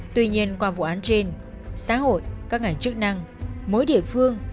tuy nhiên qua vụ án trên xã hội các ngành chức năng mỗi địa phương